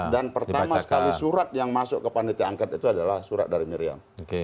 dan pertama sekali surat yang masuk ke panitia angket itu adalah surat dari miriam